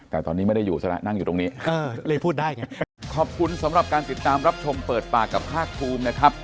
แต่ตอนนี้ไม่ได้อยู่นั่งอยู่ตรงนี้